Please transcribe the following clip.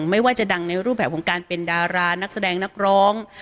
ไม่ว่าจะดังในรูปแบบของการเป็นดารานักแสดงนักร้อง